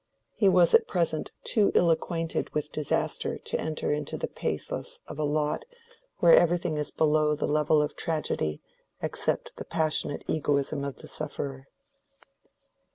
He was at present too ill acquainted with disaster to enter into the pathos of a lot where everything is below the level of tragedy except the passionate egoism of the sufferer.